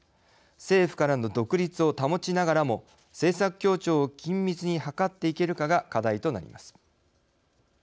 政府からの独立を保ちながらも政策協調を緊密に図っていけるかが課題となります。